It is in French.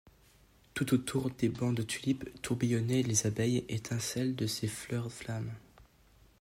Tout autour des bancs de tulipes tourbillonnaient les abeilles, étincelles de ces fleurs flammes.